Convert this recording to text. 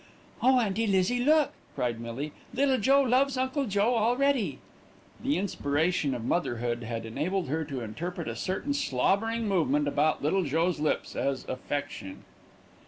"Oh, Auntie Lizzie, look," cried Millie. "Little Joe loves Uncle Joe already." The inspiration of motherhood had enabled her to interpret a certain slobbering movement about Little Joe's lips as affection.